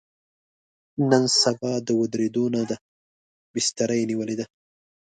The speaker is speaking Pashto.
نن سبا د ودرېدو نه دی، بستره یې نیولې.